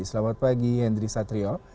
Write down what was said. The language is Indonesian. selamat pagi hendry satrio